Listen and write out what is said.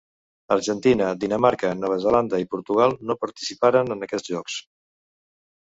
Argentina, Dinamarca, Nova Zelanda i Portugal no participaren en aquests Jocs.